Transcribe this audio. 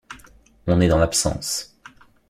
On est dans l’absence.